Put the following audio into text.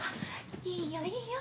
いいよいいよ